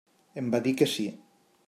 Em va dir que sí.